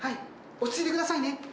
落ち着いて下さいね。